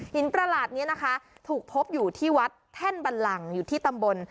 ประหลาดนี้นะคะถูกพบอยู่ที่วัดแท่นบันลังอยู่ที่ตำบล